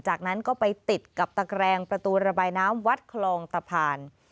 จากนั้นก็ไปติดกับตะแกรงประตูระบายน้ำวัดคลองตะพาน